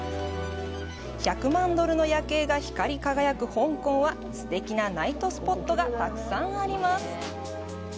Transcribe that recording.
１００万ドルの夜景が光り輝く香港はすてきなナイトスポットがたくさんあります。